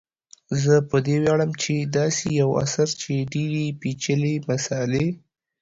زه په دې ویاړم چي داسي یو اثر چي ډیري پیچلي مسالې